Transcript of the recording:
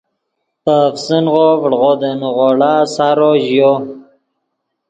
پے افسنغو ڤڑغو دے نیغوڑا سارو ژیو